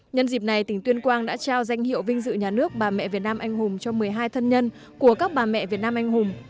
nhân dịp này tỉnh tuyên quang đã trao danh hiệu vinh dự nhà nước bà mẹ việt nam anh hùng cho một mươi hai thân nhân của các bà mẹ việt nam anh hùng